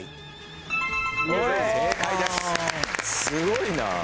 すごいな。